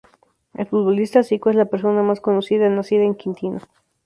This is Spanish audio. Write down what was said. El futbolista Zico es la persona más conocida nacida en Quintino.